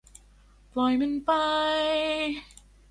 ปล่อยมันไป